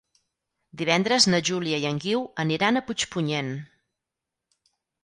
Divendres na Júlia i en Guiu aniran a Puigpunyent.